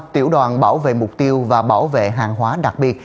tiểu đoàn bảo vệ mục tiêu và bảo vệ hàng hóa đặc biệt